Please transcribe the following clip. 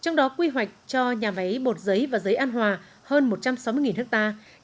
trong đó quy hoạch cho nhà máy bột giấy và giấy an hòa hơn một trăm sáu mươi hectare